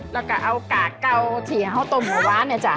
แล้วก็เอากากเก้าเถียงเข้าต้มไหมวะเนี่ยจ้ะ